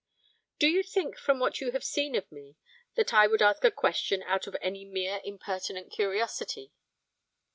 'Do you think from what you have seen of me, that I would ask a question out of any mere impertinent curiosity?'